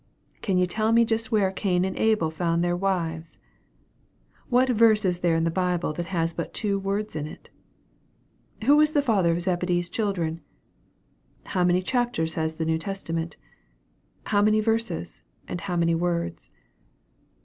Can you just tell me where Cain and Abel found their wives? What verse is there in the Bible that has but two words in it? Who was the father of Zebedee's children? How many chapters has the New Testament? How many verses, and how many words?"